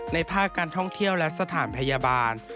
ภาคการท่องเที่ยวและสถานพยาบาล